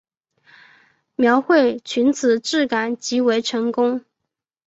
描绘裙子质感极为成功